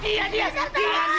ini ga ada apa ooh